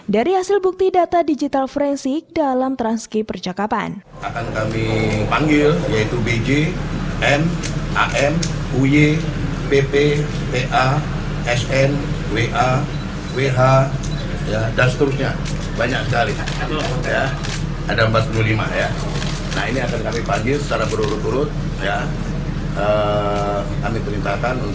dari hasil bukti data digital forensik dalam transkip percakapan